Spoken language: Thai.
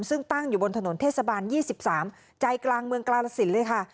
ซึ่งตั้งอยู่บนถนนเทศบาล๒๓ใจกลางเมืองกาลสินเลยค่ะ